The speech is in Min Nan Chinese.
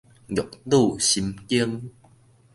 玉女心經